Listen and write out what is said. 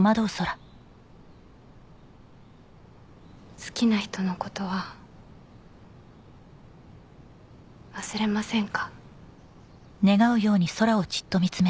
好きな人のことは忘れませんか？